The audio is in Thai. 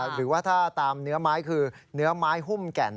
หรือว่าถ้าตามเนื้อไม้คือเนื้อไม้หุ้มแก่น